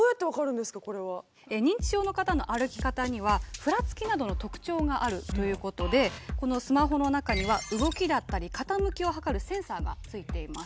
認知症の方の歩き方にはふらつきなどの特徴があるということでこのスマホの中には動きだったり傾きを測るセンサーがついています。